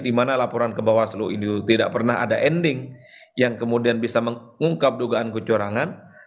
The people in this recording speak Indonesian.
di mana laporan ke bawaslu ini tidak pernah ada ending yang kemudian bisa mengungkap dugaan kecurangan